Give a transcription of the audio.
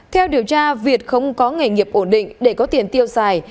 theo điều tra việt không có nghề nghiệp ổn định để có tiền tiêu xài